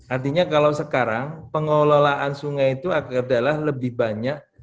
artinya kalau sekarang pengelolaan sungai itu adalah lebih banyak